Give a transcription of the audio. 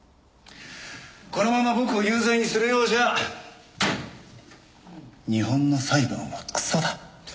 このまま僕を有罪にするようじゃ日本の裁判はクソだ。